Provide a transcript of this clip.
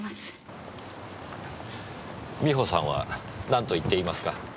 美穂さんは何と言っていますか？